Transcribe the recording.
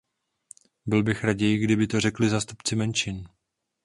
Byl bych raději, kdyby to řekli zástupci menšin.